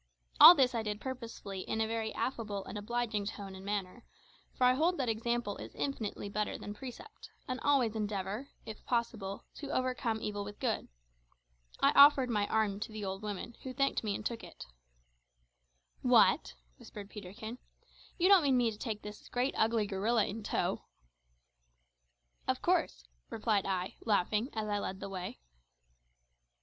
All this I did purposely in a very affable and obliging tone and manner; for I hold that example is infinitely better than precept, and always endeavour, if possible, to overcome evil with good. I offered my arm to the old woman, who thanked me and took it. "What!" whispered Peterkin, "you don't mean me to take this great ugly gorilla in tow?" "Of course," replied I, laughing, as I led the way.